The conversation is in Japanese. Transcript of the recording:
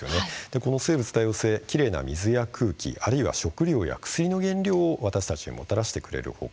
この生物多様性、きれいな水や空気、あるいは食料や薬の原料を私たちにももたらしてくれる他